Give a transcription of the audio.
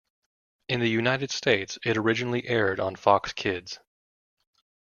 In the United States, it originally aired on Fox Kids.